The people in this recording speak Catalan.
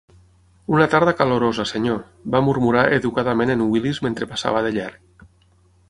"Una tarda calorosa, senyor", va murmurar educadament en Willis mentre passava de llarg.